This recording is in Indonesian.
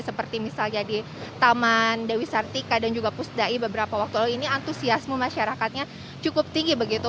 seperti misalnya di taman dewi sartika dan juga pusdai beberapa waktu lalu ini antusiasme masyarakatnya cukup tinggi begitu